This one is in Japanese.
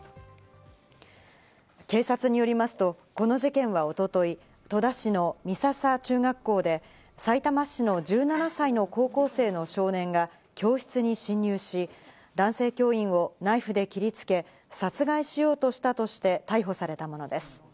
警察によりますと、この事件は一昨日、戸田市の美笹中学校で、さいたま市の１７歳の高校生の少年が教室に侵入し、男性教員をナイフで切りつけ、殺害しようとしたとして逮捕されたものです。